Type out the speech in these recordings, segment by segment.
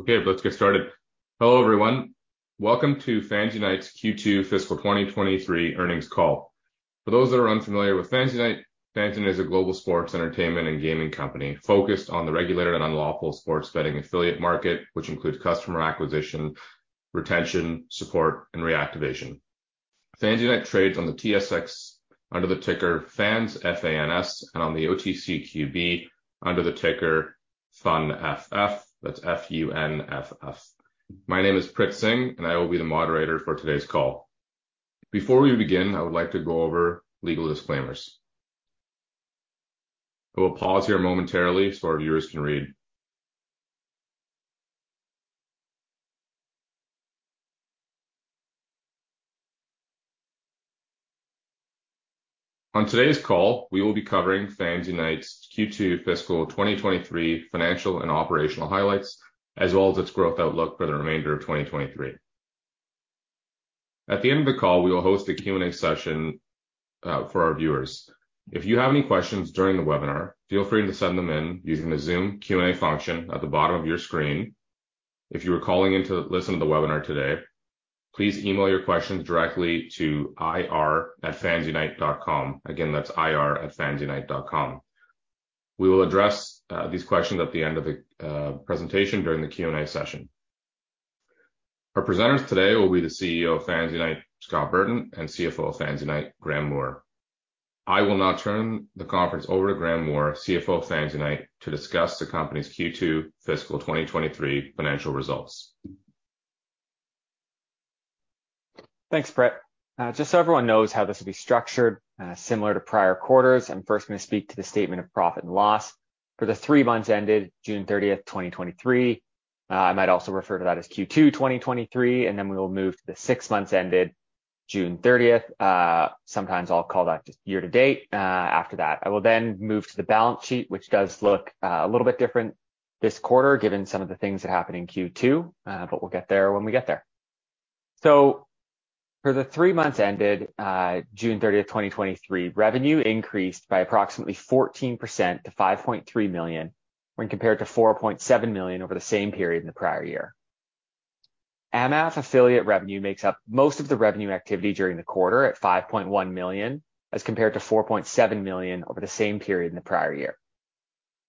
Okay, let's get started. Hello, everyone. Welcome to FansUnite's Q2 Fiscal 2023 earnings call. For those that are unfamiliar with FansUnite, FansUnite is a global sports, entertainment, and gaming company focused on the regulated and lawful sports betting affiliate market, which includes customer acquisition, retention, support, and reactivation. FansUnite trades on the TSX under the ticker FANS, F-A-N-S, and on the OTCQB under the ticker FUNFF. That's F-U-N-F-F. My name is Prit Singh. I will be the moderator for today's call. Before we begin, I would like to go over legal disclaimers. I will pause here momentarily so our viewers can read. On today's call, we will be covering FansUnite's Q2 Fiscal 2023 financial and operational highlights, as well as its growth outlook for the remainder of 2023. At the end of the call, we will host a Q&A session for our viewers. If you have any questions during the webinar, feel free to send them in using the Zoom Q&A function at the bottom of your screen. If you are calling in to listen to the webinar today, please email your questions directly to ir@fansunite.com. Again, that's ir@fansunite.com. We will address these questions at the end of the presentation during the Q&A session. Our presenters today will be the CEO of FansUnite Entertainment, Scott Burton, and CFO of FansUnite Entertainment, Graeme Moore. I will now turn the conference over to Graeme Moore, CFO of FansUnite Entertainment, to discuss the company's Q2 fiscal 2023 financial results. Thanks, Prit. Just so everyone knows how this will be structured, similar to prior quarters, I'm first gonna speak to the statement of profit and loss for the three months ended June 30th, 2023. I might also refer to that as Q2 2023, and then we will move to the six months ended June 30th. Sometimes I'll call that just year-to-date. After that, I will then move to the balance sheet, which does look a little bit different this quarter, given some of the things that happened in Q2, but we'll get there when we get there. For the three months ended, June 30th, 2023, revenue increased by approximately 14% to 5.3 million, when compared to 4.7 million over the same period in the prior year. AmAff affiliate revenue makes up most of the revenue activity during the quarter at 5.1 million, as compared to 4.7 million over the same period in the prior year.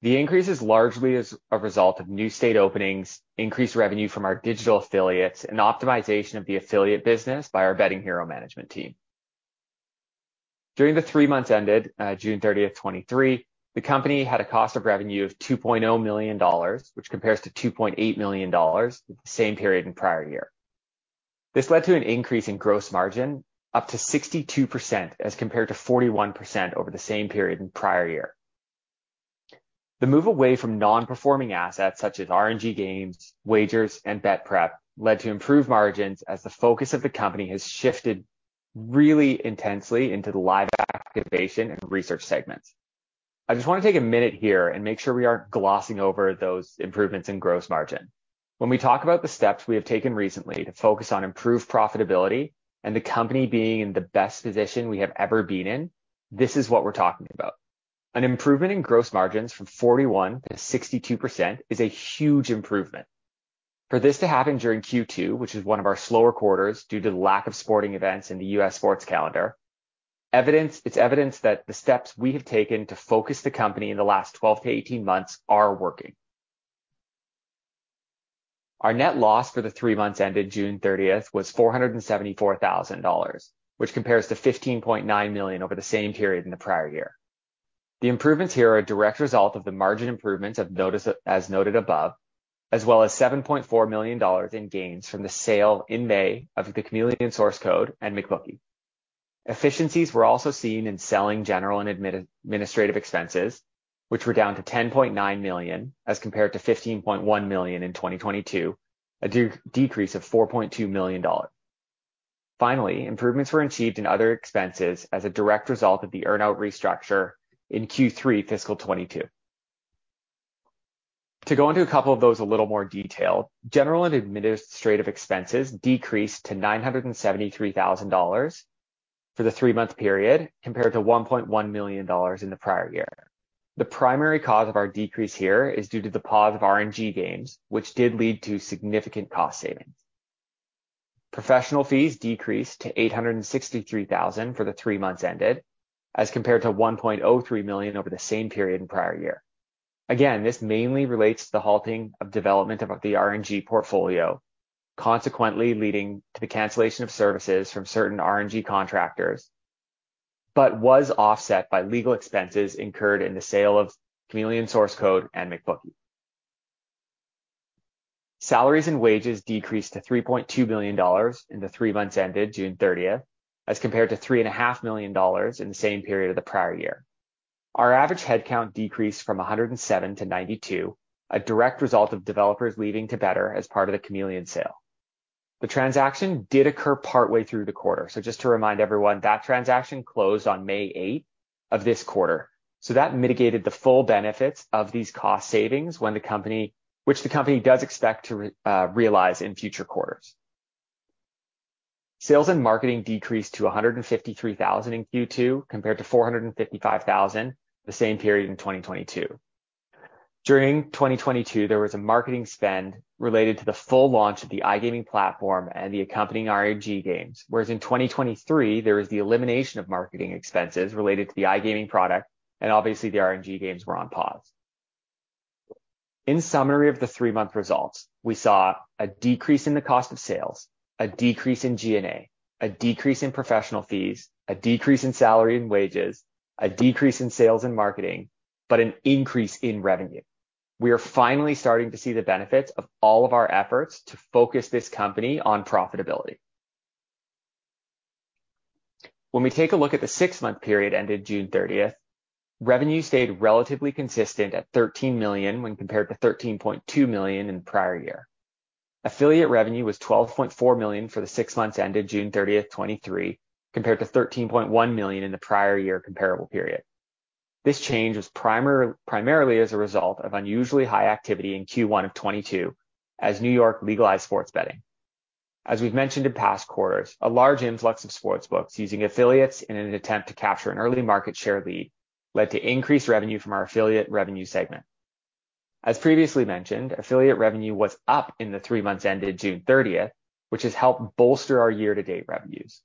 The increase is largely as a result of new state openings, increased revenue from our digital affiliates, and optimization of the affiliate business by our Betting Hero management team. During the three months ended June 30, 2023, the company had a cost of revenue of 2.0 million dollars, which compares to 2.8 million dollars, the same period in prior year. This led to an increase in gross margin up to 62%, as compared to 41% over the same period in prior year. The move away from non-performing assets such as RNG games, Wagers, and BetPrep led to improved margins as the focus of the company has shifted really intensely into the live activation and research segments. I just want to take a minute here and make sure we aren't glossing over those improvements in gross margin. When we talk about the steps we have taken recently to focus on improved profitability and the company being in the best position we have ever been in, this is what we're talking about. An improvement in gross margins from 41% to 62% is a huge improvement. For this to happen during Q2, which is one of our slower quarters due to the lack of sporting events in the US sports calendar, it's evidence that the steps we have taken to focus the company in the last 12-18 months are working. Our net loss for the three months ended June 30th was 474,000 dollars, which compares to 15.9 million over the same period in the prior year. The improvements here are a direct result of the margin improvements of notice, as noted above, as well as 7.4 million dollars in gains from the sale in May of the Chameleon source code and McBookie. Efficiencies were also seen in Selling, General and Administrative expenses, which were down to 10.9 million, as compared to 15.1 million in 2022, a decrease of 4.2 million dollars. Finally, improvements were achieved in other expenses as a direct result of the earnout restructure in Q3 fiscal 2022. To go into a couple of those a little more detail, General and Administrative expenses decreased to 973,000 dollars for the three-month period, compared to 1.1 million dollars in the prior year. The primary cause of our decrease here is due to the pause of RNG games, which did lead to significant cost savings. Professional fees decreased to 863,000 for the three months ended, as compared to 1.03 million over the same period in prior year. This mainly relates to the halting of development of the RNG portfolio, consequently leading to the cancellation of services from certain RNG contractors, but was offset by legal expenses incurred in the sale of Chameleon source code and McBookie. Salaries and wages decreased to 3.2 million dollars in the three months ended June 30th, as compared to 3.5 million dollars in the same period of the prior year. Our average headcount decreased from 107 to 92, a direct result of developers leaving to Betr Holdings as part of the Chameleon sale. The transaction did occur partway through the quarter. Just to remind everyone, that transaction closed on May 8th of this quarter, so that mitigated the full benefits of these cost savings when the company-- which the company does expect to realize in future quarters. Sales and marketing decreased to 153,000 in Q2, compared to 455,000, the same period in 2022. During 2022, there was a marketing spend related to the full launch of the iGaming platform and the accompanying RNG games, whereas in 2023, there was the elimination of marketing expenses related to the iGaming product, and obviously, the RNG games were on pause. In summary of the three-month results, we saw a decrease in the cost of sales, a decrease in G&A, a decrease in professional fees, a decrease in salary and wages, a decrease in sales and marketing, but an increase in revenue. We are finally starting to see the benefits of all of our efforts to focus this company on profitability. When we take a look at the six-month period ended June thirtieth, revenue stayed relatively consistent at 13 million, when compared to 13.2 million in the prior year. Affiliate revenue was 12.4 million for the six months ended June 30, 2023, compared to 13.1 million in the prior year comparable period. This change was primarily as a result of unusually high activity in Q1 of 2022, as New York legalized sports betting. As we've mentioned in past quarters, a large influx of sports books using affiliates in an attempt to capture an early market share lead, led to increased revenue from our affiliate revenue segment. As previously mentioned, affiliate revenue was up in the three months ended June 30, which has helped bolster our year-to-date revenues.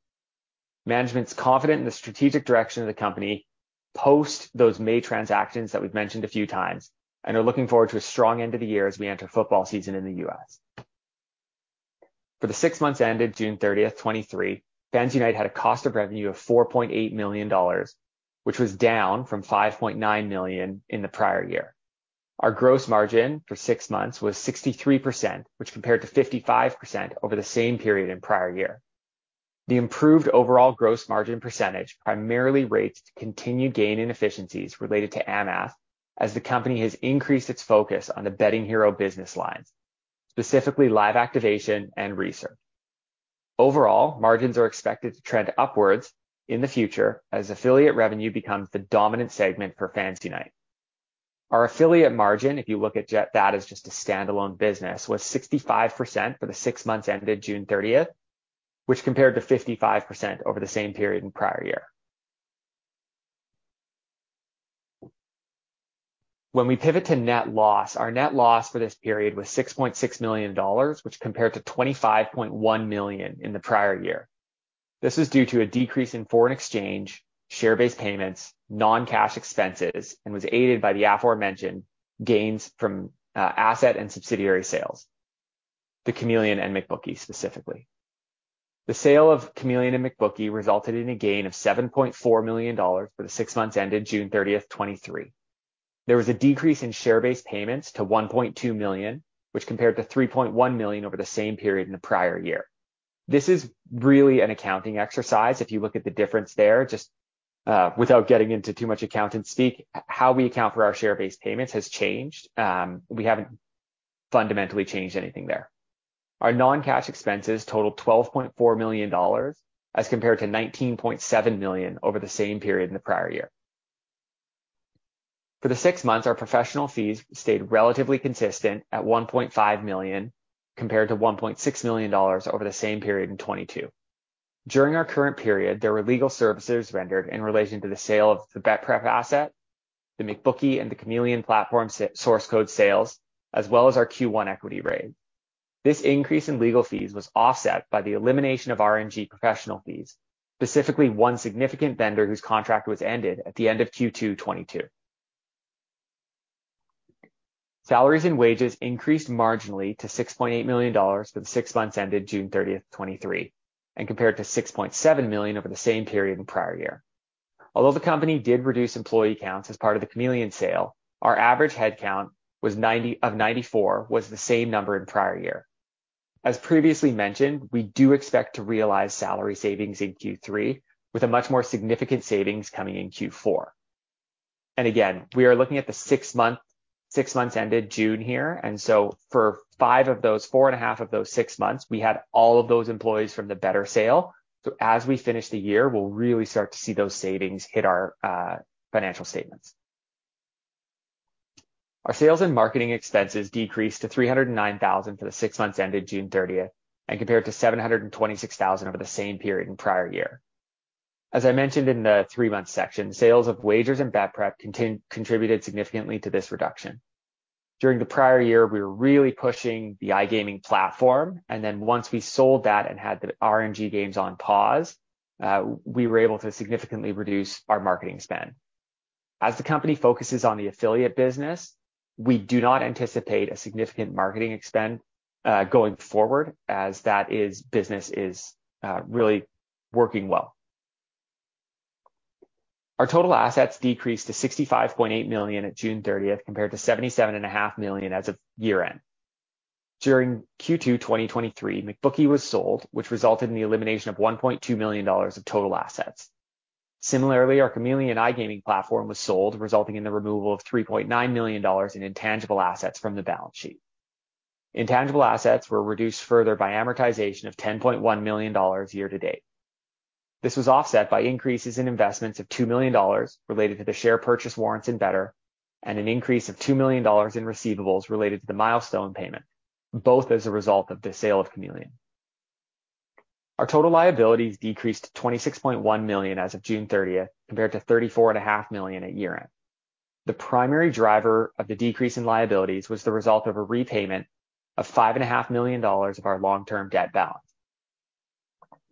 Management's confident in the strategic direction of the company, post those May transactions that we've mentioned a few times, and are looking forward to a strong end of the year as we enter football season in the U.S. For the six months ended June 30, 2023, FansUnite had a cost of revenue of 4.8 million dollars, which was down from 5.9 million in the prior year. Our gross margin for six months was 63%, which compared to 55% over the same period in prior year. The improved overall gross margin percentage primarily rates to continue gain in efficiencies related to AmAff, as the company has increased its focus on the Betting Hero business lines, specifically live activation and research. Overall, margins are expected to trend upwards in the future as affiliate revenue becomes the dominant segment for FansUnite. Our affiliate margin, if you look at that as just a standalone business, was 65% for the six months ended June 30, which compared to 55% over the same period in prior year. When we pivot to net loss, our net loss for this period was 6.6 million dollars, which compared to 25.1 million in the prior year. This is due to a decrease in foreign exchange, share-based payments, non-cash expenses, and was aided by the aforementioned gains from asset and subsidiary sales, the Chameleon and McBookie, specifically. The sale of Chameleon and McBookie resulted in a gain of 7.4 million dollars for the six months ended June 30, 2023. There was a decrease in share-based payments to 1.2 million, which compared to 3.1 million over the same period in the prior year. This is really an accounting exercise. If you look at the difference there, just without getting into too much accounting speak, how we account for our share-based payments has changed. We haven't fundamentally changed anything there. Our non-cash expenses totaled 12.4 million dollars, as compared to 19.7 million over the same period in the prior year. For the six months, our professional fees stayed relatively consistent at 1.5 million, compared to 1.6 million dollars over the same period in 2022. During our current period, there were legal services rendered in relation to the sale of the BetPrep asset, the McBookie, and the Chameleon platform source code sales, as well as our Q1 equity raise. This increase in legal fees was offset by the elimination of RNG professional fees, specifically one significant vendor whose contract was ended at the end of Q2 2022. Salaries and wages increased marginally to 6.8 million dollars for the six months ended June 30, 2023, and compared to 6.7 million over the same period in the prior year. Although the company did reduce employee counts as part of the Chameleon sale, our average headcount of 94 was the same number in prior year. As previously mentioned, we do expect to realize salary savings in Q3, with a much more significant savings coming in Q4. Again, we are looking at the 6 months ended June here, so for 5 of those, 4.5 of those 6 months, we had all of those employees from the Betr sale. As we finish the year, we'll really start to see those savings hit our financial statements. Our sales and marketing expenses decreased to 309,000 for the 6 months ended June 30th, compared to 726,000 over the same period in prior year. I mentioned in the three-month section, sales of Wagers and BetPrep contributed significantly to this reduction. During the prior year, we were really pushing the iGaming platform, and then once we sold that and had the RNG games on pause, we were able to significantly reduce our marketing spend. The company focuses on the affiliate business, we do not anticipate a significant marketing spend going forward, as that is, business is, really working well. Our total assets decreased to 65.8 million on June 30th, compared to 77.5 million as of year-end. During Q2 2023, McBookie was sold, which resulted in the elimination of 1.2 million dollars of total assets. Similarly, our Chameleon iGaming platform was sold, resulting in the removal of 3.9 million dollars in intangible assets from the balance sheet. Intangible assets were reduced further by amortization of 10.1 million dollars year-to-date. This was offset by increases in investments of $2 million related to the share purchase warrants in Betr, and an increase of $2 million in receivables related to the milestone payment, both as a result of the sale of Chameleon. Our total liabilities decreased to 26.1 million as of June 30th, compared to 34.5 million at year-end. The primary driver of the decrease in liabilities was the result of a repayment of 5.5 million dollars of our long-term debt balance.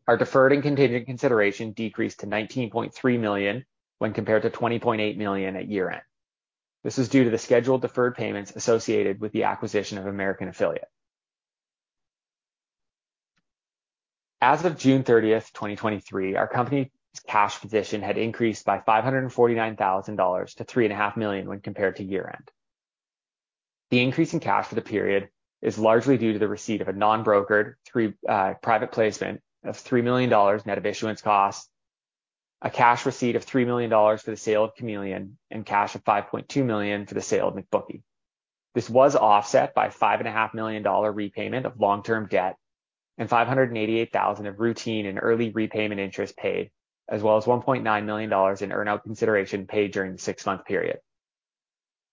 Our deferred and contingent consideration decreased to 19.3 million when compared to 20.8 million at year-end. This is due to the scheduled deferred payments associated with the acquisition of American Affiliate. As of June 30, 2023, our company's cash position had increased by 549,000 dollars to 3.5 million when compared to year-end. The increase in cash for the period is largely due to the receipt of a non-brokered private placement of CAD 3 million net of issuance costs, a cash receipt of 3 million dollars for the sale of Chameleon, and cash of 5.2 million for the sale of McBookie. This was offset by 5.5 million dollar repayment of long-term debt and 588,000 of routine and early repayment interest paid, as well as 1.9 million dollars in earn-out consideration paid during the six-month period.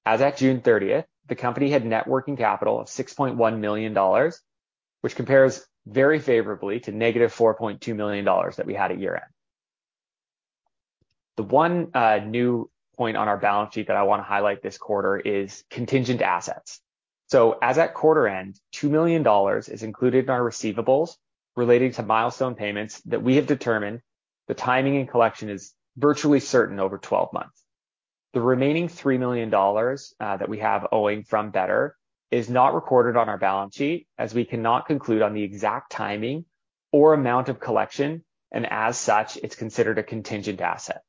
As at June 30th, the company had net working capital of 6.1 million dollars, which compares very favorably to -4.2 million dollars that we had at year-end. The one new point on our balance sheet that I wanna highlight this quarter is contingent assets. As at quarter end, 2 million dollars is included in our receivables relating to milestone payments that we have determined the timing and collection is virtually certain over 12 months. The remaining 3 million dollars that we have owing from Betr is not recorded on our balance sheet, as we cannot conclude on the exact timing or amount of collection, and as such, it's considered a contingent asset.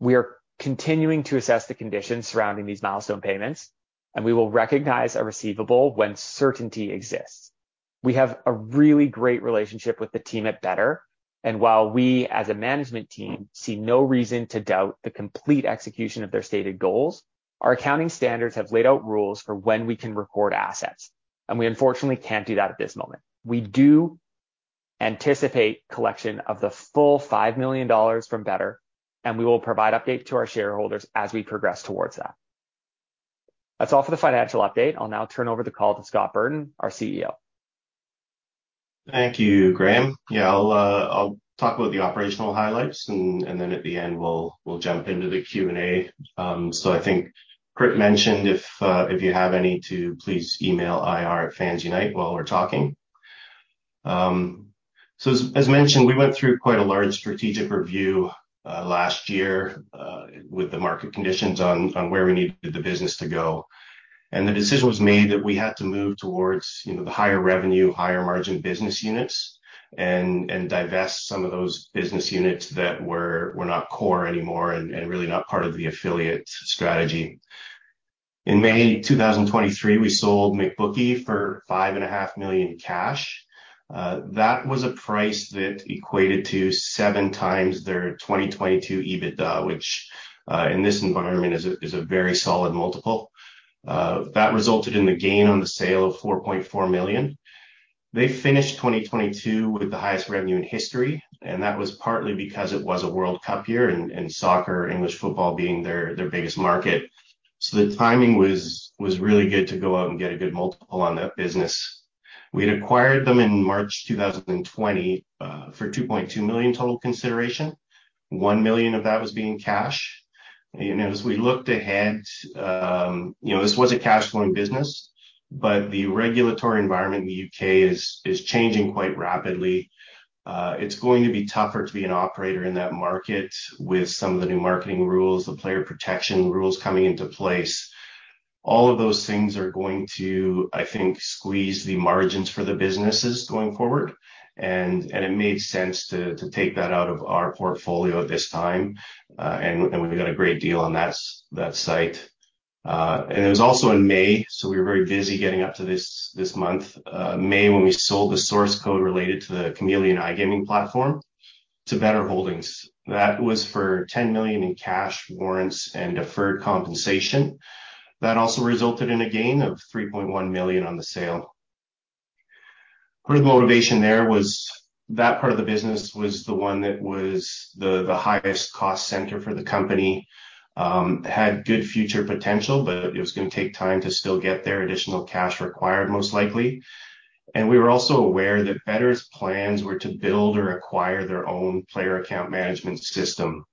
We are continuing to assess the conditions surrounding these milestone payments, and we will recognize a receivable when certainty exists. We have a really great relationship with the team at Betr, and while we, as a management team, see no reason to doubt the complete execution of their stated goals, our accounting standards have laid out rules for when we can record assets, and we unfortunately can't do that at this moment. We do anticipate collection of the full $5 million from Betr, and we will provide update to our shareholders as we progress towards that. That's all for the financial update. I'll now turn over the call to Scott Burton, our CEO. Thank you, Graeme. Yeah, I'll, I'll talk about the operational highlights and, and then at the end, we'll, we'll jump into the Q&A. So I think Prit mentioned, if, if you have any to please email IR at FansUnite while we're talking. So as, as mentioned, we went through quite a large strategic review, last year, with the market conditions on, on where we needed the business to go. The decision was made that we had to move towards, you know, the higher revenue, higher margin business units and, and divest some of those business units that were, were not core anymore and, and really not part of the affiliate strategy. In May 2023, we sold McBookie for 5.5 million cash. that was a price that equated to 7 times their 2022 EBITDA, which, in this environment is a, is a very solid multiple. that resulted in the gain on the sale of 4.4 million. They finished 2022 with the highest revenue in history, and that was partly because it was a World Cup year and, and soccer, English football, being their, their biggest market. The timing was, was really good to go out and get a good multiple on that business. We'd acquired them in March 2020 for 2.2 million total consideration. 1 million of that was being cash. As we looked ahead, you know, this was a cash flowing business, but the regulatory environment in the UK is, is changing quite rapidly. It's going to be tougher to be an operator in that market with some of the new marketing rules, the player protection rules coming into place. All of those things are going to, I think, squeeze the margins for the businesses going forward, and it made sense to take that out of our portfolio at this time, and we got a great deal on that, that site. It was also in May, so we were very busy getting up to this month, May, when we sold the source code related to the Chameleon iGaming platform to Betr Holdings. That was for $10 million in cash warrants and deferred compensation. That also resulted in a gain of $3.1 million on the sale. Part of the motivation there was that part of the business was the one that was the, the highest cost center for the company. Had good future potential, but it was gonna take time to still get there. Additional cash required, most likely. We were also aware that Betr's plans were to build or acquire their own player account management system.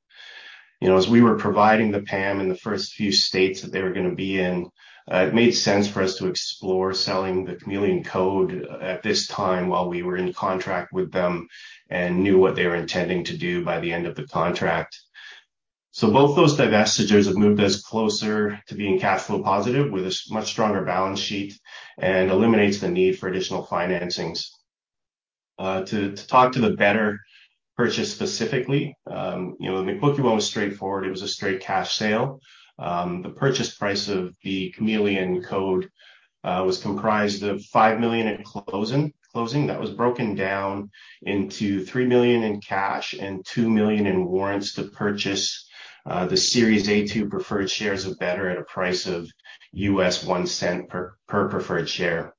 You know, as we were providing the PAM in the first few states that they were gonna be in, it made sense for us to explore selling the Chameleon code at this time while we were in contract with them and knew what they were intending to do by the end of the contract. Both those divestitures have moved us closer to being cash flow positive, with a much stronger balance sheet, and eliminates the need for additional financings. To talk to the Betr purchase specifically, you know, the McBookie one was straightforward. It was a straight cash sale. The purchase price of the Chameleon code was comprised of $5 million at closing. That was broken down into $3 million in cash and $2 million in warrants to purchase. The Series A-2 Preferred Shares of Betr at a price of $0.01 USD per preferred share.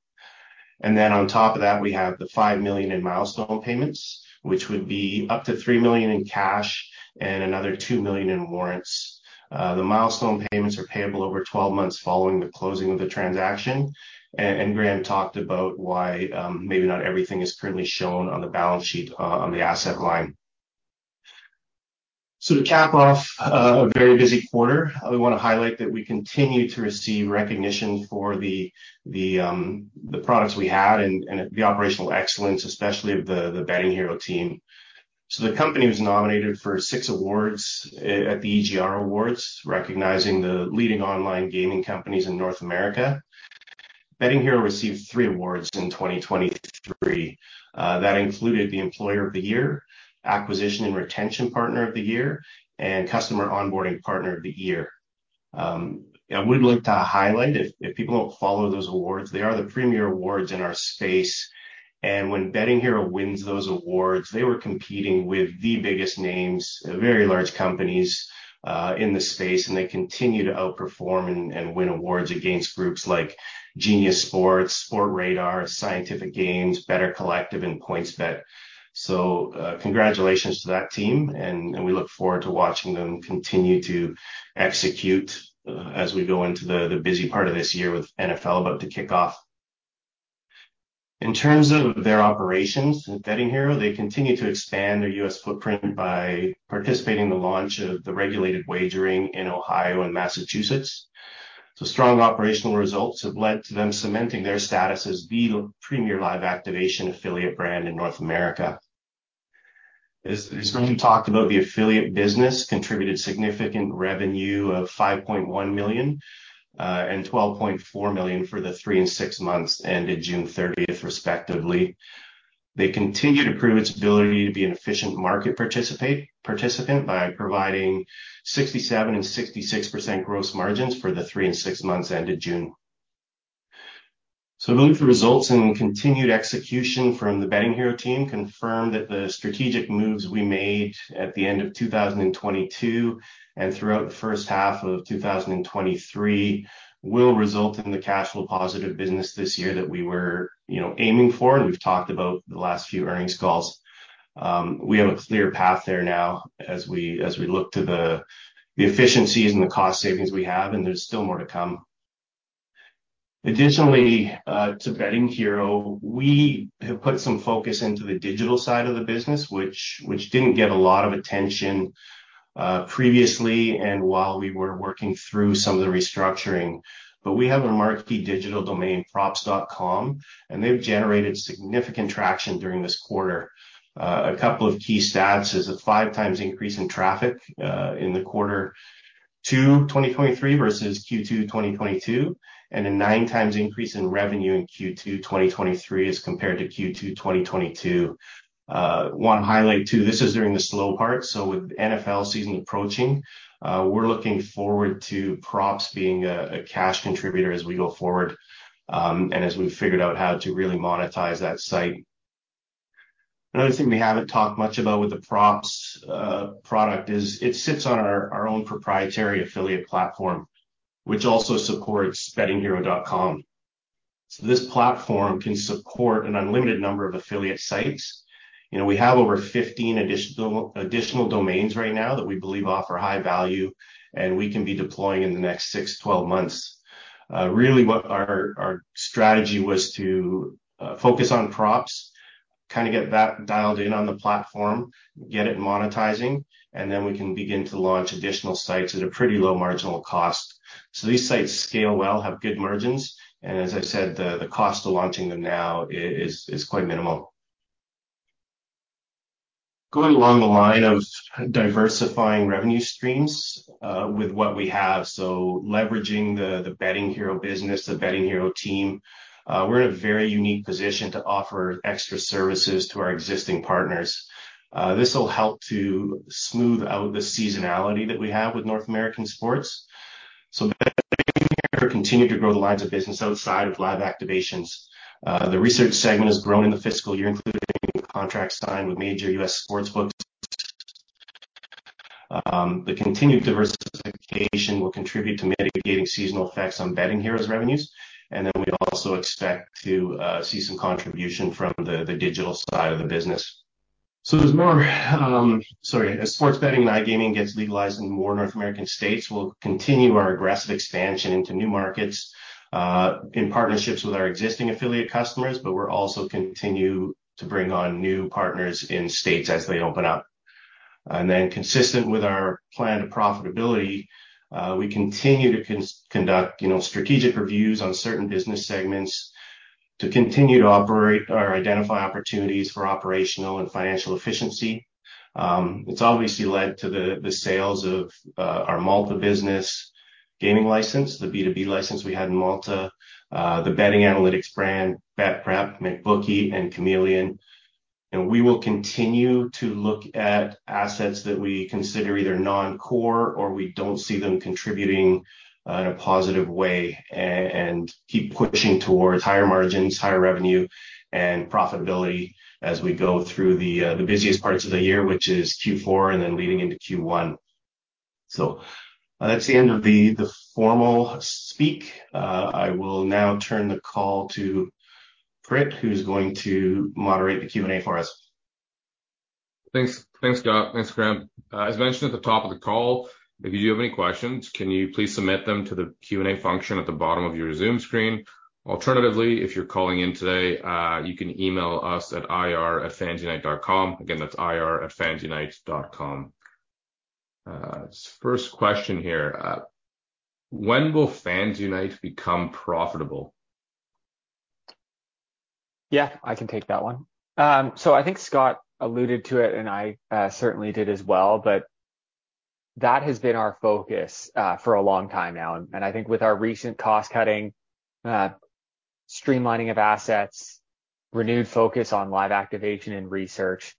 Then on top of that, we have the $5 million in milestone payments, which would be up to $3 million in cash and another $2 million in warrants. The milestone payments are payable over 12 months following the closing of the transaction, and Graeme talked about why maybe not everything is currently shown on the balance sheet on the asset line. To cap off, a very busy quarter, we wanna highlight that we continue to receive recognition for the, the, the products we had and, and the operational excellence, especially of the, the Betting Hero team. The company was nominated for 6 awards at, at the EGR Awards, recognizing the leading online gaming companies in North America. Betting Hero received 3 awards in 2023, that included the Employer of the Year, Acquisition and Retention Partner of the Year, and Customer Onboarding Partner of the Year. I would like to highlight, if, if people don't follow those awards, they are the premier awards in our space, and when Betting Hero wins those awards, they were competing with the biggest names, very large companies, in the space, and they continue to outperform and win awards against groups like Genius Sports, Sportradar, Scientific Games, Better Collective, and PointsBet. Congratulations to that team, we look forward to watching them continue to execute as we go into the busy part of this year with NFL about to kick off. In terms of their operations at Betting Hero, they continue to expand their US footprint by participating in the launch of the regulated wagering in Ohio and Massachusetts. Strong operational results have led to them cementing their status as the premier live activation affiliate brand in North America. As Graeme talked about, the affiliate business contributed significant revenue of 5.1 million and 12.4 million for the 3 and 6 months ended June 30th, respectively. They continue to prove its ability to be an efficient market participant by providing 67% and 66% gross margins for the 3 and 6 months ended June. Really, the results and continued execution from the Betting Hero team confirmed that the strategic moves we made at the end of 2022 and throughout the first half of 2023 will result in the cash flow positive business this year that we were, you know, aiming for, and we've talked about the last few earnings calls. We have a clear path there now as we, as we look to the, the efficiencies and the cost savings we have, and there's still more to come. Additionally, to Betting Hero, we have put some focus into the digital side of the business, which, which didn't get a lot of attention previously and while we were working through some of the restructuring. We have a marquee digital domain, Props.com, and they've generated significant traction during this quarter. A couple of key stats is a 5 times increase in traffic in the quarter to 2023 versus Q2 2022, and a 9 times increase in revenue in Q2 2023 as compared to Q2 2022. One highlight, too, this is during the slow part. With NFL season approaching, we're looking forward to Props.com being a cash contributor as we go forward, and as we've figured out how to really monetize that site. Another thing we haven't talked much about with the props product is it sits on our own proprietary affiliate platform, which also supports bettinghero.com. This platform can support an unlimited number of affiliate sites. You know, we have over 15 additional domains right now that we believe offer high value, and we can be deploying in the next 6, 12 months. Really what our strategy was to focus on props, kinda get that dialed in on the platform, get it monetizing, and then we can begin to launch additional sites at a pretty low marginal cost. These sites scale well, have good margins, and as I said, the cost of launching them now is quite minimal. Going along the line of diversifying revenue streams, with what we have, so leveraging the Betting Hero business, the Betting Hero team, we're in a very unique position to offer extra services to our existing partners. This will help to smooth out the seasonality that we have with North American sports. Continue to grow the lines of business outside of live activations. The research segment has grown in the fiscal year, including the contract signed with major US sports books. The continued diversification will contribute to mitigating seasonal effects on Betting Hero's revenues, and then we also expect to see some contribution from the digital side of the business. There's more... sorry, as sports betting and iGaming gets legalized in more North American states, we'll continue our aggressive expansion into new markets, in partnerships with our existing affiliate customers, but we're also continue to bring on new partners in states as they open up. Consistent with our plan to profitability, we continue to conduct, you know, strategic reviews on certain business segments to continue to operate or identify opportunities for operational and financial efficiency. It's obviously led to the, the sales of, our Malta business gaming license, the B2B license we had in Malta, the betting analytics brand, BetPrep, McBookie, and Chameleon. We will continue to look at assets that we consider either non-core or we don't see them contributing in a positive way and keep pushing towards higher margins, higher revenue, and profitability as we go through the busiest parts of the year, which is Q4 and then leading into Q1. That's the end of the formal speak. I will now turn the call to Prit, who's going to moderate the Q&A for us. Thanks. Thanks, Scott. Thanks, Graeme. As mentioned at the top of the call, if you do have any questions, can you please submit them to the Q&A function at the bottom of your Zoom screen? Alternatively, if you're calling in today, you can email us at ir@fansunite.com. Again, that's ir@fansunite.com. First question here, when will FansUnite become profitable? Yeah, I can take that one. I think Scott alluded to it, and I certainly did as well, that has been our focus for a long time now. I think with our recent cost-cutting, streamlining of assets, renewed focus on live activation and research,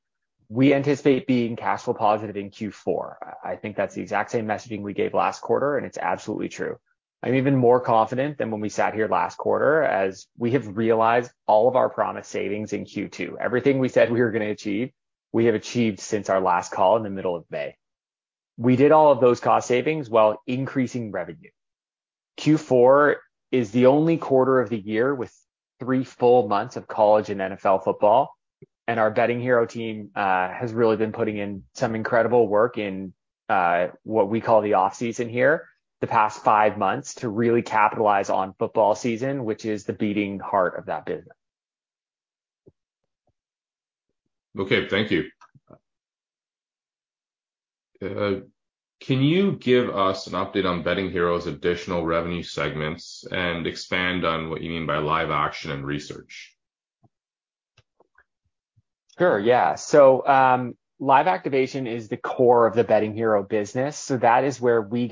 we anticipate being cash flow positive in Q4. I, I think that's the exact same messaging we gave last quarter, it's absolutely true. I'm even more confident than when we sat here last quarter, as we have realized all of our promised savings in Q2. Everything we said we were gonna achieve, we have achieved since our last call in the middle of May. We did all of those cost savings while increasing revenue. Q4 is the only quarter of the year with three full months of college and NFL football, and our Betting Hero team has really been putting in some incredible work in what we call the off-season here, the past five months, to really capitalize on football season, which is the beating heart of that business. Okay, thank you. Can you give us an update on Betting Hero's additional revenue segments and expand on what you mean by live action and research? Sure, yeah. Live activation is the core of the Betting Hero business, that is where we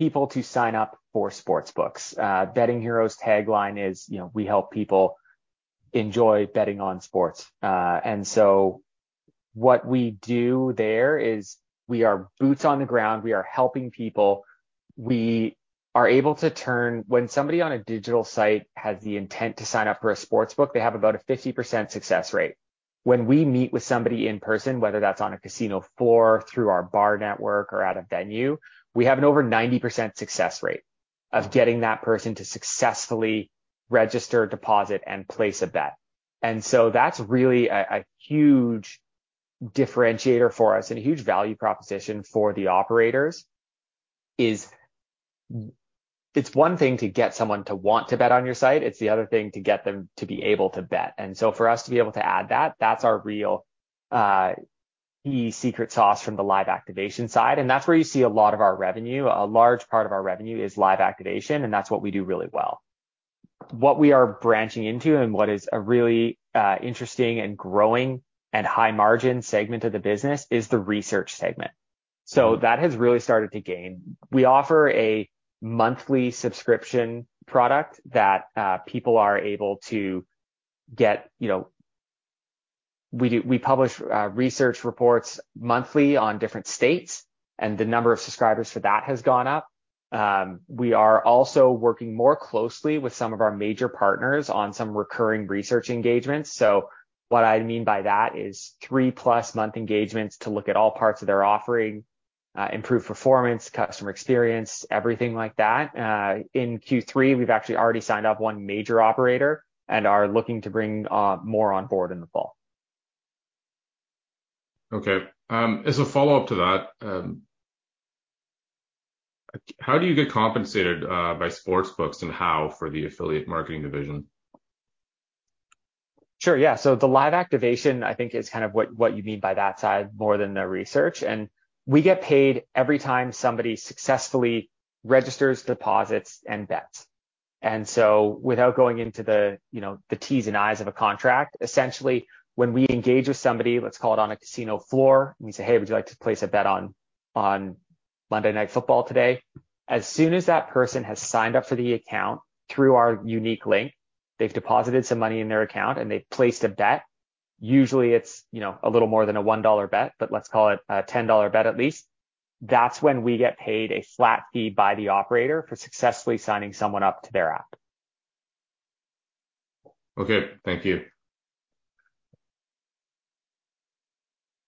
get people to sign up for sportsbooks. Betting Hero's tagline is, you know, we help people enjoy betting on sports. What we do there is we are boots on the ground, we are helping people. When somebody on a digital site has the intent to sign up for a sportsbook, they have about a 50% success rate. When we meet with somebody in person, whether that's on a casino floor, through our bar network or at a venue, we have an over 90% success rate of getting that person to successfully register, deposit, and place a bet. That's really a huge differentiator for us and a huge value proposition for the operators, is it's one thing to get someone to want to bet on your site, it's the other thing to get them to be able to bet. For us to be able to add that, that's our real, the secret sauce from the live activation side, and that's where you see a lot of our revenue. A large part of our revenue is live activation, and that's what we do really well. What we are branching into and what is a really, interesting, and growing, and high-margin segment of the business is the research segment. That has really started to gain. We offer a monthly subscription product that people are able to get... You know, we publish research reports monthly on different states, and the number of subscribers for that has gone up. We are also working more closely with some of our major partners on some recurring research engagements. What I mean by that is three-plus month engagements to look at all parts of their offering, improve performance, customer experience, everything like that. In Q3, we've actually already signed up one major operator and are looking to bring more on board in the fall. Okay, as a follow-up to that, how do you get compensated by sports books and how for the affiliate marketing division? Sure, yeah. The live activation, I think, is kind of what, what you mean by that side, more than the research. We get paid every time somebody successfully registers deposits and bets. So without going into the, you know, the T's and I's of a contract, essentially, when we engage with somebody, let's call it on a casino floor, and we say, "Hey, would you like to place a bet on, on Monday Night Football today?" As soon as that person has signed up for the account through our unique link, they've deposited some money in their account, and they've placed a bet. Usually, it's, you know, a little more than a 1 dollar bet, but let's call it a 10 dollar bet at least. That's when we get paid a flat fee by the operator for successfully signing someone up to their app. Okay, thank you.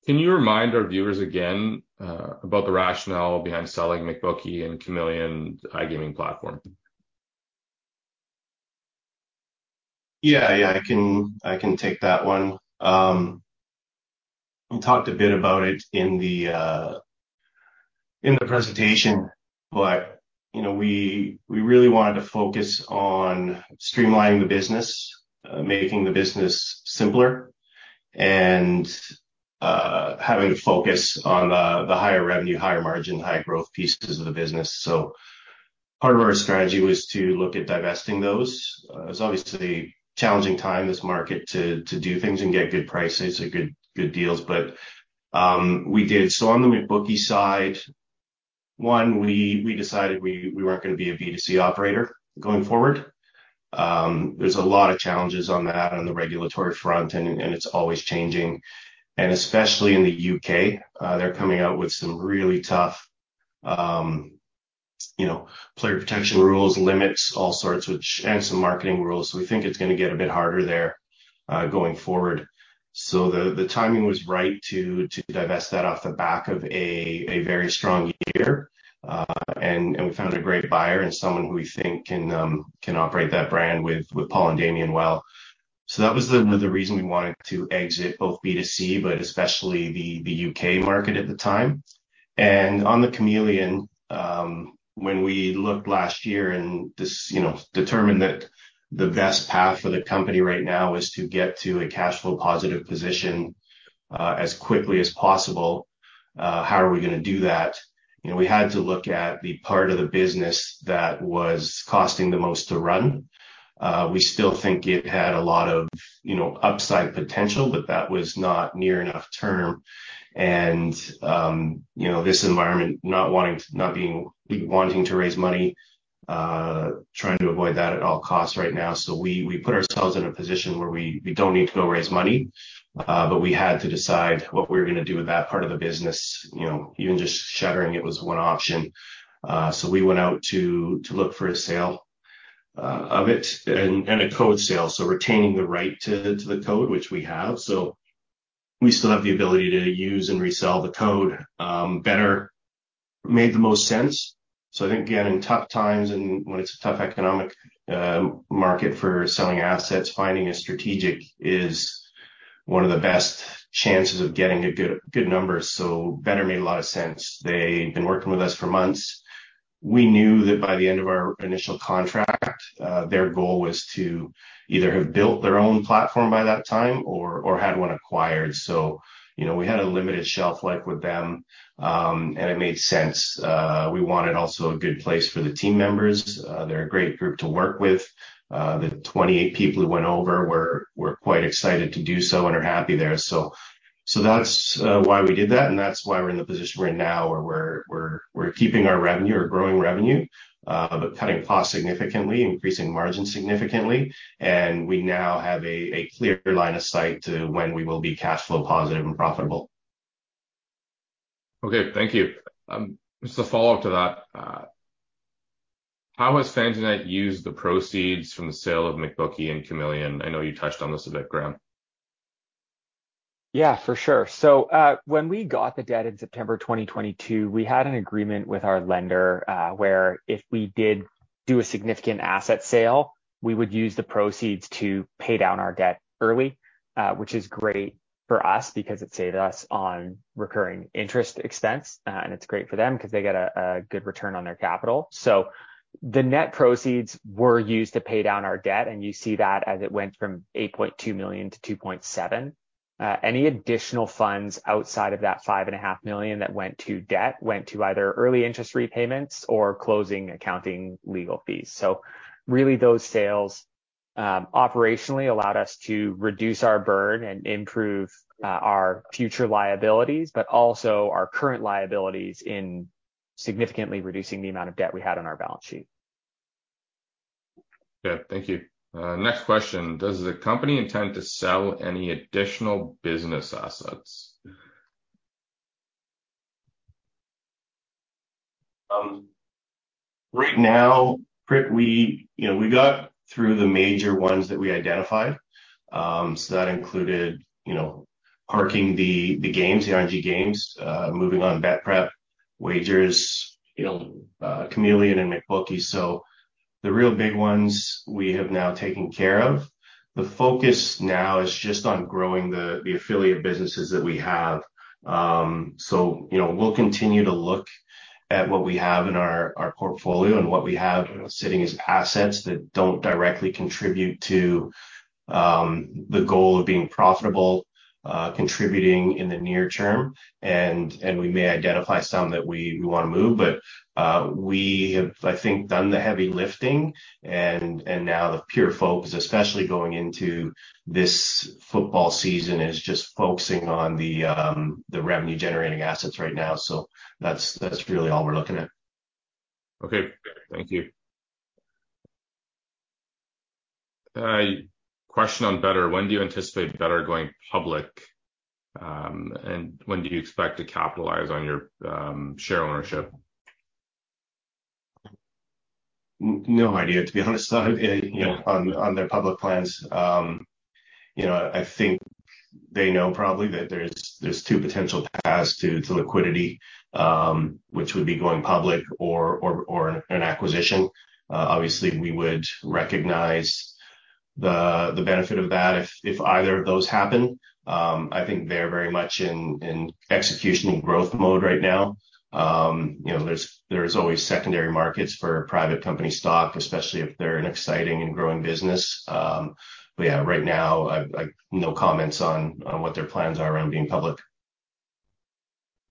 Can you remind our viewers again about the rationale behind selling McBookie and Chameleon iGaming platform? Yeah, yeah, I can... I can take that one. But, you know, we, we really wanted to focus on streamlining the business, making the business simpler, and having to focus on the higher revenue, higher margin, higher growth pieces of the business. Part of our strategy was to look at divesting those. It's obviously a challenging time, this market, to, to do things and get good prices or good, good deals, but we did. On the McBookie side, one, we, we decided we, we weren't gonna be a B2C operator going forward. There's a lot of challenges on that on the regulatory front, and, and it's always changing, and especially in the UK, they're coming out with some really tough-... you know, player protection rules, limits, all sorts, which and some marketing rules. We think it's gonna get a bit harder there, going forward. The, the timing was right to, to divest that off the back of a, a very strong year. We found a great buyer and someone who we think can, can operate that brand with, with Paul and Damian well. That was the, the reason we wanted to exit both B2C, but especially the, the UK market at the time. On the Chameleon, when we looked last year and just, you know, determined that the best path for the company right now is to get to a cash flow positive position, as quickly as possible, how are we gonna do that? You know, we had to look at the part of the business that was costing the most to run. We still think it had a lot of, you know, upside potential, but that was not near enough term. You know, this environment, not wanting to raise money, trying to avoid that at all costs right now. We, we put ourselves in a position where we, we don't need to go raise money, but we had to decide what we were gonna do with that part of the business. You know, even just shuttering it was one option. We went out to, to look for a sale of it, and, and a code sale, so retaining the right to, to the code, which we have. We still have the ability to use and resell the code. Betr made the most sense. I think, again, in tough times and when it's a tough economic market for selling assets, finding a strategic is one of the best chances of getting a good, good number. Betr made a lot of sense. They'd been working with us for months. We knew that by the end of our initial contract, their goal was to either have built their own platform by that time or, or had one acquired. You know, we had a limited shelf life with them, and it made sense. We wanted also a good place for the team members. They're a great group to work with. The 28 people who went over were, were quite excited to do so and are happy there. So that's why we did that. That's why we're in the position we're in now, where we're keeping our revenue or growing revenue, but cutting costs significantly, increasing margin significantly, and we now have a clear line of sight to when we will be cash flow positive and profitable. Okay, thank you. Just a follow-up to that. How has FansUnite used the proceeds from the sale of McBookie and Chameleon? I know you touched on this a bit, Graeme. Yeah, for sure. When we got the debt in September 2022, we had an agreement with our lender, where if we did do a significant asset sale, we would use the proceeds to pay down our debt early, which is great for us because it saved us on recurring interest expense, and it's great for them 'cause they get a good return on their capital. The net proceeds were used to pay down our debt, and you see that as it went from 8.2 million to 2.7 million. Any additional funds outside of that 5.5 million that went to debt, went to either early interest repayments or closing, accounting, legal fees. Really, those sales, operationally allowed us to reduce our burn and improve, our future liabilities, but also our current liabilities in significantly reducing the amount of debt we had on our balance sheet. Good, thank you. Next question: Does the company intend to sell any additional business assets? Right now, Prit, we, you know, we got through the major ones that we identified. That included, you know, parking the, the games, the RNG games, moving on BetPrep, Wagers, you know, Chameleon and McBookie. The real big ones we have now taken care of. The focus now is just on growing the affiliate businesses that we have. You know, we'll continue to look at what we have in our, our portfolio and what we have sitting as assets that don't directly contribute to the goal of being profitable, contributing in the near term. We may identify some that we, we wanna move, but we have, I think, done the heavy lifting, now the pure focus, especially going into this football season, is just focusing on the revenue-generating assets right now. That's really all we're looking at. Okay, thank you. Question on Betr: When do you anticipate Betr going public, and when do you expect to capitalize on your share ownership? No idea, to be honest. You know, on, on their public plans, you know, I think they know probably that there's, there's two potential paths to, to liquidity, which would be going public or, or, or an acquisition. Obviously, we would recognize the, the benefit of that if, if either of those happen. I think they're very much in, in execution and growth mode right now. You know, there's, there's always secondary markets for private company stock, especially if they're an exciting and growing business. Yeah, right now, No comments on, on what their plans are around being public.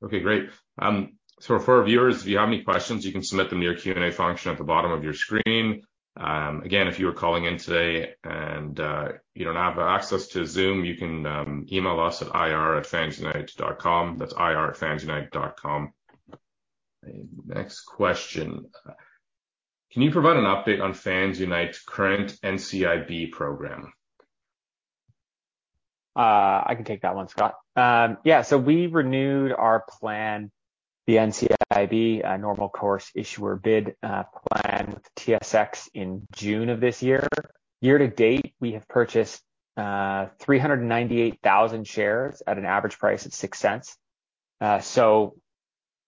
Okay, great. For our viewers, if you have any questions, you can submit them in your Q&A function at the bottom of your screen. If you are calling in today and you don't have access to Zoom, you can email us at ir@fansunite.com. That's ir@fansunite.com. Next question: Can you provide an update on FansUnite's current NCIB program? I can take that one, Scott. Yeah, we renewed our plan, the NCIB, normal course issuer bid, plan with TSX in June of this year. Year to date, we have purchased 398,000 shares at an average price of CAD 0.06.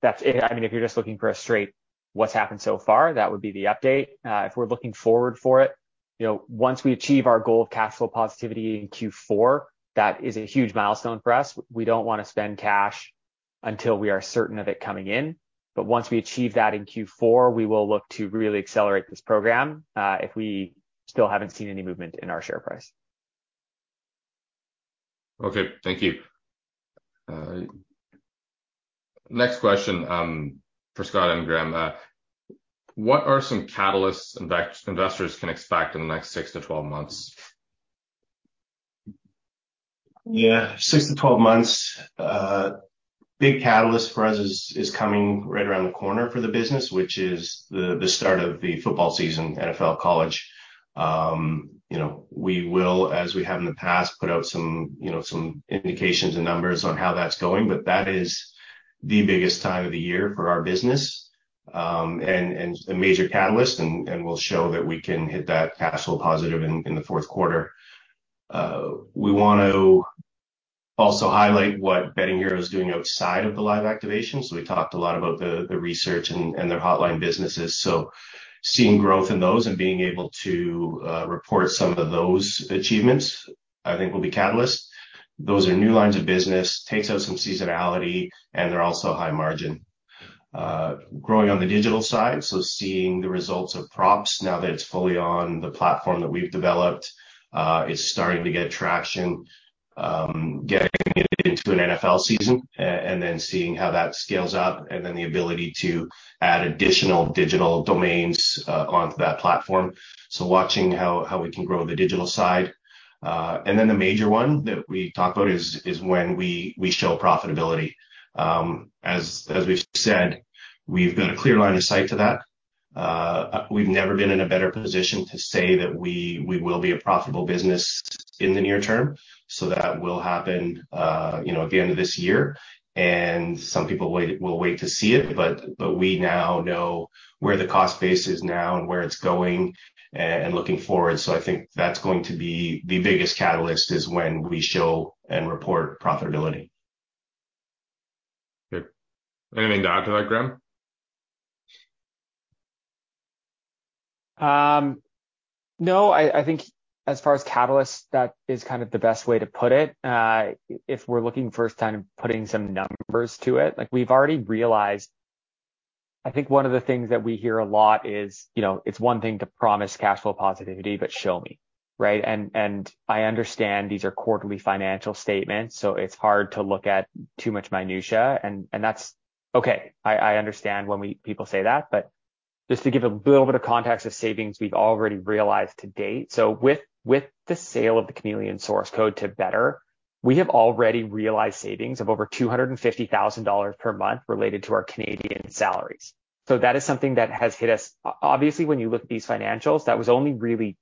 That's it. I mean, if you're just looking for a straight what's happened so far, that would be the update. If we're looking forward for it, you know, once we achieve our goal of cash flow positivity in Q4, that is a huge milestone for us. We don't want to spend cash until we are certain of it coming in, once we achieve that in Q4, we will look to really accelerate this program, if we still haven't seen any movement in our share price. Okay. Thank you. Next question, for Scott and Graeme. What are some catalysts invest- investors can expect in the next six to twelve months? Yeah. 6-12 months, big catalyst for us is, is coming right around the corner for the business, which is the, the start of the football season, NFL college. You know, we will, as we have in the past, put out some, you know, some indications and numbers on how that's going, but that is the biggest time of the year for our business. And, and a major catalyst, and, and we'll show that we can hit that cash flow positive in, in the Q4. We want to also highlight what Betting Hero is doing outside of the live activation. We talked a lot about the, the research and, and their hotline businesses. Seeing growth in those and being able to report some of those achievements, I think will be catalyst. Those are new lines of business, takes out some seasonality, and they're also high margin. Growing on the digital side, so seeing the results of Props now that it's fully on the platform that we've developed, is starting to get traction. Getting it into an NFL season, and then seeing how that scales up, and then the ability to add additional digital domains onto that platform. Watching how, how we can grow the digital side. The major one that we talked about is, is when we, we show profitability. As, as we've said, we've got a clear line of sight to that. We've never been in a better position to say that we, we will be a profitable business in the near term. That will happen, you know, at the end of this year. Some people will wait to see it. We now know where the cost base is now and where it's going, looking forward. I think that's going to be the biggest catalyst, is when we show and report profitability. Okay. Anything to add to that, Graeme? No, I, I think as far as catalysts, that is kind of the best way to put it. If we're looking for a time of putting some numbers to it, like we've already realized... I think one of the things that we hear a lot is, you know, it's one thing to promise cash flow positivity, but show me, right? And I understand these are quarterly financial statements, so it's hard to look at too much minutiae, and, and that's okay. I, I understand when we- people say that, but just to give a little bit of context of savings we've already realized to date. With, with the sale of the Chameleon source code to Betr, we have already realized savings of over 250,000 dollars per month related to our Canadian salaries. That is something that has hit us. Obviously, when you look at these financials, that was only really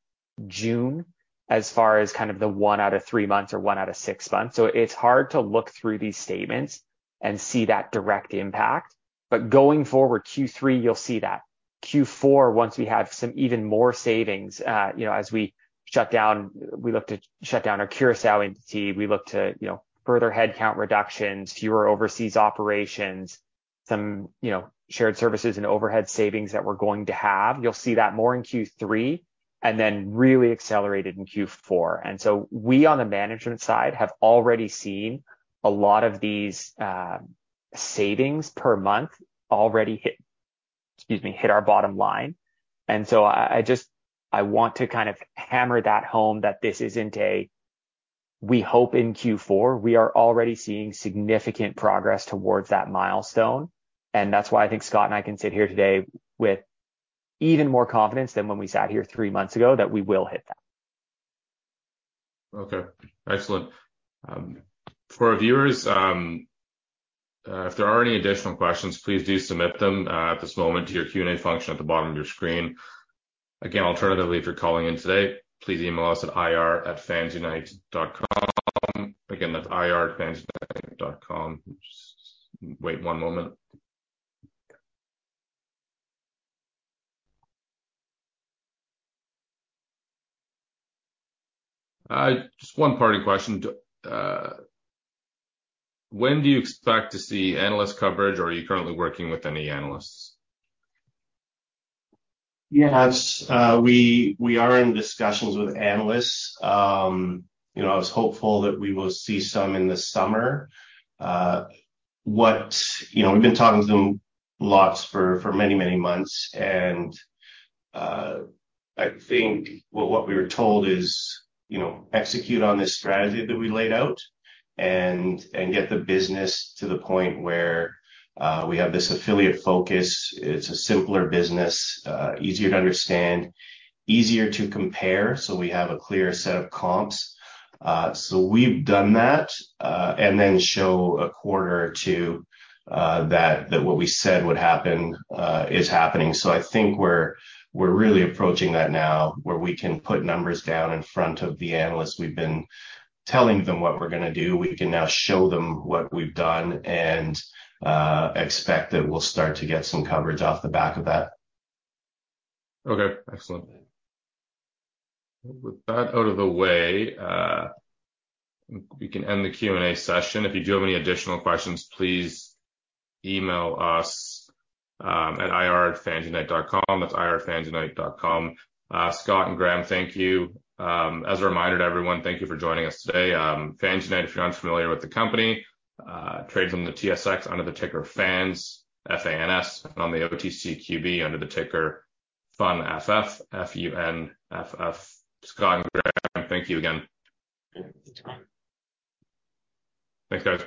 June as far as kind of the one out of three months or one out of six months. It's hard to look through these statements and see that direct impact. Going forward, Q3, you'll see that. Q4, once we have some even more savings, you know, as we shut down, we look to shut down our Curacao entity, we look to, you know, further headcount reductions, fewer overseas operations, some, you know, shared services and overhead savings that we're going to have. You'll see that more in Q3, and then really accelerated in Q4. So we, on the management side, have already seen a lot of these savings per month already hit. Excuse me, hit our bottom line. I want to kind of hammer that home, that this isn't a, we hope in Q4. We are already seeing significant progress towards that milestone. That's why I think Scott and I can sit here today with even more confidence than when we sat here three months ago, that we will hit that. Okay, excellent. For our viewers, if there are any additional questions, please do submit them at this moment to your Q&A function at the bottom of your screen. Again, alternatively, if you're calling in today, please email us at ir@fansunite.com. Again, that's ir@fansunite.com. Just wait one moment. Just one parting question: When do you expect to see analyst coverage, or are you currently working with any analysts? Yes, we, we are in discussions with analysts. You know, I was hopeful that we will see some in the summer. You know, we've been talking to them lots for, for many, many months, and, I think what, what we were told is, you know, execute on this strategy that we laid out and, and get the business to the point where, we have this affiliate focus. It's a simpler business, easier to understand, easier to compare, so we have a clear set of comps. We've done that, and then show a quarter to, that, that what we said would happen, is happening. I think we're, we're really approaching that now, where we can put numbers down in front of the analysts. We've been telling them what we're gonna do. We can now show them what we've done and, expect that we'll start to get some coverage off the back of that. Okay, excellent. With that out of the way, we can end the Q&A session. If you do have any additional questions, please email us at ir@fansunite.com. That's ir@fansunite.com. Scott and Graeme, thank you. As a reminder to everyone, thank you for joining us today. FansUnite, if you're unfamiliar with the company, trades on the TSX under the ticker FANS, F-A-N-S, and on the OTCQB under the ticker Funff, F-U-N-F-F. Scott and Graeme, thank you again. Thanks. Thanks, guys.